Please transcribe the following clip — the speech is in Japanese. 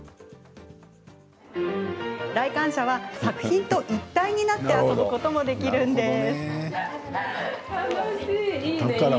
来館者は、作品と一体になって遊ぶこともできるんです。